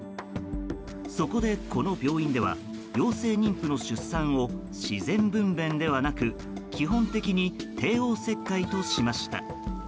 そこで、この病院では陽性妊婦の出産を自然分娩ではなく基本的に帝王切開としました。